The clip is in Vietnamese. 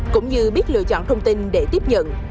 cũng như biết lựa chọn thông tin để tiếp nhận